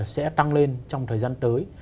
sẽ tăng lên trong thời gian tới